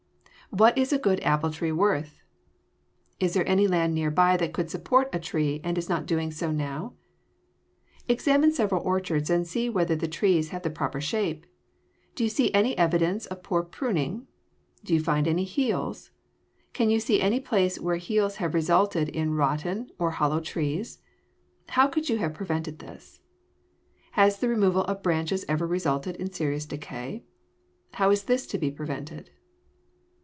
What is a good apple tree worth? Is there any land near by that could support a tree and is not now doing so? Examine several orchards and see whether the trees have the proper shape. Do you see any evidence of poor pruning? Do you find any heels? Can you see any place where heels have resulted in rotten or hollow trees? How could you have prevented this? Has the removal of branches ever resulted in serious decay? How is this to be prevented?